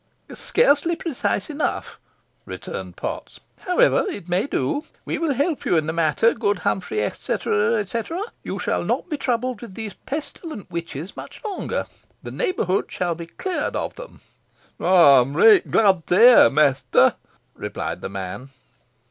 "Scarcely precise enough," returned Potts. "However, it may do. We will help you in the matter, good Humphrey Etcetera. You shall not be troubled with these pestilent witches much longer. The neighbourhood shall be cleared of them." "Ey'm reet glad to hear, mester," replied the man.